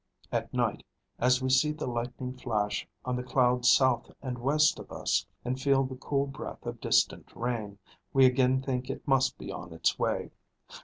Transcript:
At night, as we see the lightning flash on the clouds south and west of us, and feel the cool breath of distant rain, we again think it must be on its way.